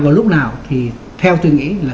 và lúc nào thì theo tôi nghĩ là